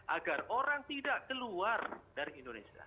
agar orang tidak keluar dari indonesia